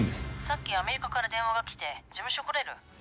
さっきアメリカから電話が来て事務所来れる？